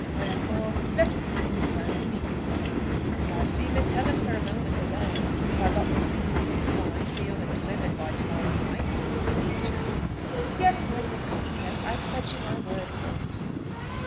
Wherefore, let this thing be done immediately." "Could I see Miss Helen for a moment alone, if I got this completed, signed, sealed, and delivered by to morrow night?" said the attorney. "Yes, my good cousin, yes; I pledge you my word for it."